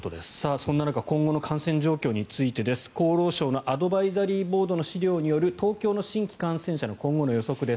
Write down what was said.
そんな中今後の感染状況について厚労省のアドバイザリーボードの資料による東京の新規感染者の今後の予測。